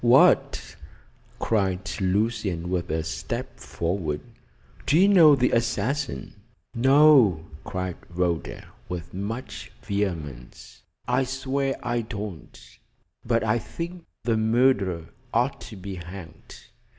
"What!" cried Lucian, with a step forward. "Do you know the assassin?" "No!" cried Rhoda, with much vehemence. "I swear I don't, but I think the murderer ought to be hanged.